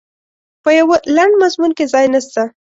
په یوه لنډ مضمون کې ځای نسته.